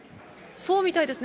そうみたいですね。